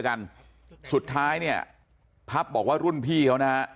กันสุดท้ายเนี่ยพับบอกว่ารุ่นพี่เขานะฮะ